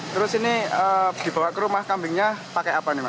terus ini dibawa ke rumah kambingnya pakai apa nih mas